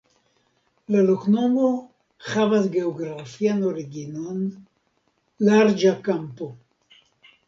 La loknomo havas geografian originon: larĝa kampo.